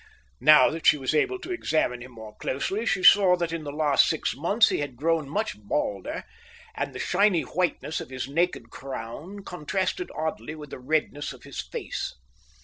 Now that she was able to examine him more closely, she saw that in the last six months he was grown much balder; and the shiny whiteness of his naked crown contrasted oddly with the redness of his face.